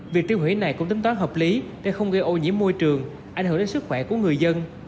việc tiêu hủy này cũng tính toán hợp lý để không gây ô nhiễm môi trường ảnh hưởng đến sức khỏe của người dân